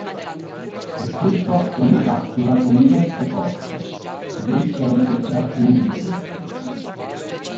Il frutto è una capsula con diverse coste e deiscente per alcune di queste.